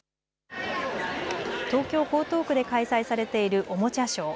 東京江東区で開催されているおもちゃショー。